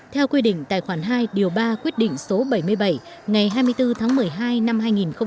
theo quy định tài khoản hai điều ba quyết định số bảy mươi bảy ngày hai mươi bốn tháng một mươi hai năm hai nghìn một mươi